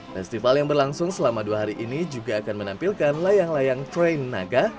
festival yang berlangsung selama dua hari ini juga akan menampilkan layang layang train naga